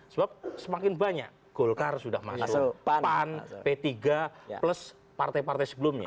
sebab semakin banyak golkar sudah masuk pan p tiga plus partai partai sebelumnya